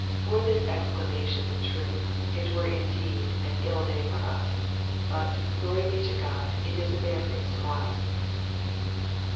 Were this exclamation the truth, it were indeed an ill day for us ; but, glory be to God, it is a barefaced lie.